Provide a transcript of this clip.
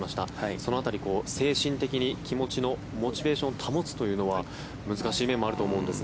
その辺り、精神的に気持ちのモチベーションを保つというのは難しい面もあると思うんですが。